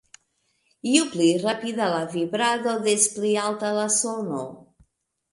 Ju pli rapida la vibrado, des pli alta la sono.